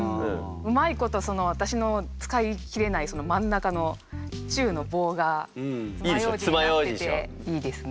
うまいことわたしの使い切れない真ん中の「中」の棒が爪楊枝になってていいですね。